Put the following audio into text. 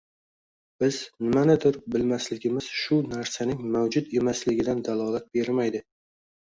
Biz nimanidir bilmasligimiz shu narsaning mavjud emasligidan dalolat bermaydi